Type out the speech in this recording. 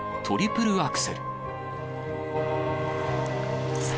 トリプルアクセル。